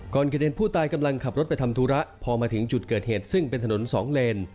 กระเด็นผู้ตายกำลังขับรถไปทำธุระพอมาถึงจุดเกิดเหตุซึ่งเป็นถนนสองเลน